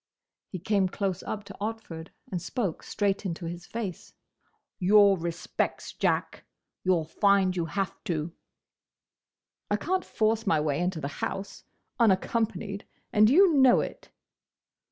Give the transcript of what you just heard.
He came close up to Otford, and spoke straight into his face. "Your respects, Jack! You 'll find you have to!" "I can't force my way into the house, unaccompanied, and you know it!"